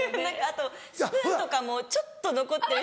あとスプーンとかもちょっと残ってる。